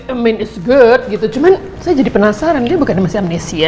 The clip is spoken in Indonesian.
i mean it's good gitu cuma saya jadi penasaran dia bukan masih amnesia ya